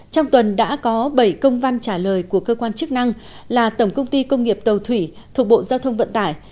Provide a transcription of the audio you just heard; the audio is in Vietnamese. trong tuần đã có bảy công văn trả lời của cơ quan chức năng là tổng công ty công nghiệp tàu thủy thuộc bộ giao thông vận tải